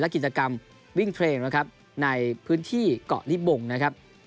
กิจกรรมวิ่งเทรมนะครับในพื้นที่เกาะลิบงนะครับ